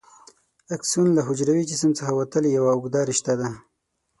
اکسون له حجروي جسم څخه وتلې یوه اوږده رشته ده.